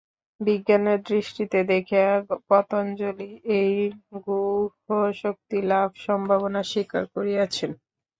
বিজ্ঞানের দৃষ্টিতে দেখিয়া পতঞ্জলি এই গুহ্যশক্তিলাভ সম্ভাবনা স্বীকার করিয়াছেন।